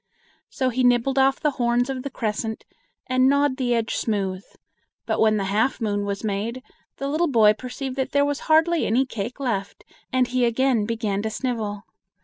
So he nibbled off the horns of the crescent, and gnawed the edge smooth; but when the half moon was made, the little boy perceived that there was hardly any cake left, and he again began to snivel.